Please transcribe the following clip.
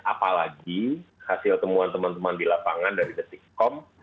apalagi hasil temuan teman teman di lapangan dari detikkom